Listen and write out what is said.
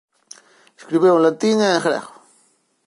Escribiu en latín e en grego.